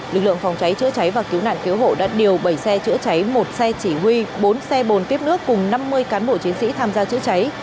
lực lượng phòng cháy chữa cháy và cứu nạn cứu hộ đã điều bảy xe chữa cháy một xe chỉ huy bốn xe bồn tiếp nước cùng năm mươi cán bộ chiến sĩ tham gia chữa cháy